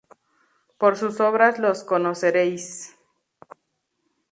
Por sus obras los conoceréis